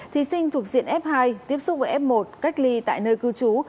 thí sinh thuộc diện f hai tiếp xúc với f một cách ly tại nơi cư trú